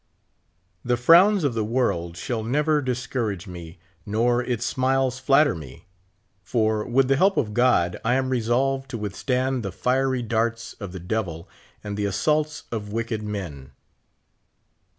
The frowns of the world shall never discourage me, nor its smiles flatter me ; for, with the help of God, I am resolved to withstand the fiery darts of the devil and the assaults of wicked men.